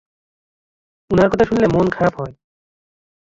উনার কথা শুনলে মন খারাপ হয়!